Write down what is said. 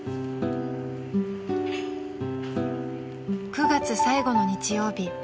［９月最後の日曜日］